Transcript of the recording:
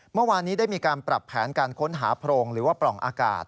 เมื่อวานนี้ได้มีการปรับแผนการค้นหาโพรงหรือว่าปล่องอากาศ